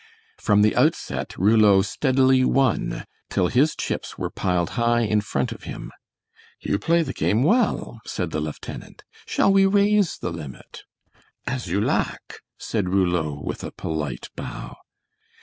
From the outset Rouleau steadily won till his chips were piled high in front of him. "You play the game well," said the lieutenant. "Shall we raise the limit?" "As you lak," said Rouleau, with a polite bow.